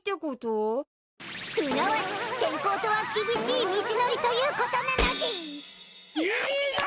すなわち健康とは厳しい道のりということなのでぃす！